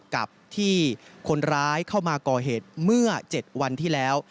กับที่คนร้ายเข้ามาก่อเหตุเมื่อ๗วันที่แล้ว